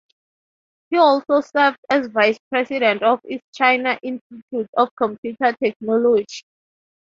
He also served as Vice President of East China Institute of Computer Technology.